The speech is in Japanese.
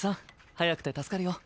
早くて助かるよ。